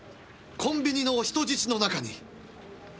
コンビニの人質の中に。